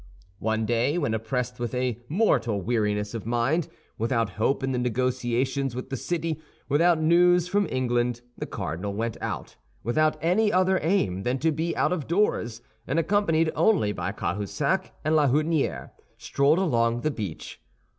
One day when oppressed with a mortal weariness of mind, without hope in the negotiations with the city, without news from England, the cardinal went out, without any other aim than to be out of doors, and accompanied only by Cahusac and La Houdinière, strolled along the beach.